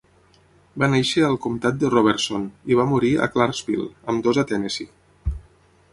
Va néixer al comtat de Robertson i va morir a Clarksville, ambdós a Tennessee.